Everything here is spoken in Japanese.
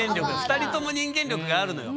２人とも人間力があるのよ。